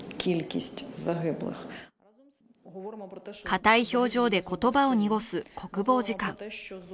硬い表情で言葉を濁す国防次官。